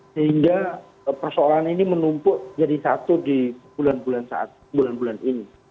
sehingga persoalan ini menumpuk jadi satu di bulan bulan ini